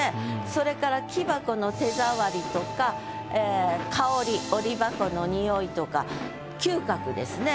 それから木箱の手触りとか香り折箱の匂いとか嗅覚ですね。